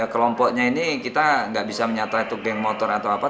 kelompoknya ini kita nggak bisa menyatra itu geng motor atau apa